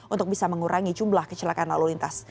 untuk bisa mengurangi jumlah kecelakaan lalu lintas